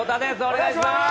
お願いします。